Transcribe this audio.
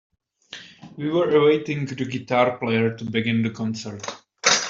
We were awaiting the guitar player to begin the concert.